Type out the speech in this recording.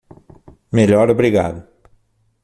Melhor obrigado.